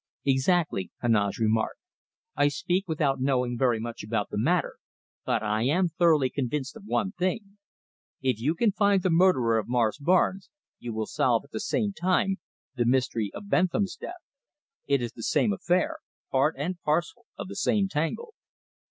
"Exactly," Heneage remarked. "I speak without knowing very much about the matter, but I am thoroughly convinced of one thing. If you can find the murderer of Morris Barnes, you will solve, at the same time, the mystery of Bentham's death. It is the same affair; part and parcel of the same tangle."